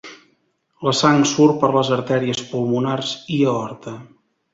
La sang surt per les artèries pulmonars i aorta.